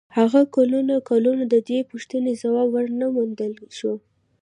هغه کلونه کلونه د دې پوښتنې ځواب و نه موندلای شو.